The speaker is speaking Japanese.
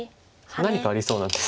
何かありそうなんです。